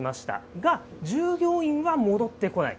が、従業員は戻ってこない。